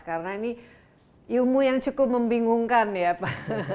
karena ini ilmu yang cukup membingungkan ya pak